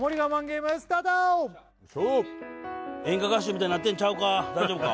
ゲームスタート演歌歌手みたいになってんちゃうか？